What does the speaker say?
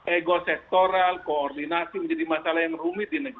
ego sektoral koordinasi menjadi masalah yang rumit di negeri